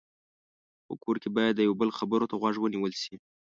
په کور کې باید د یو بل خبرو ته غوږ ونیول شي.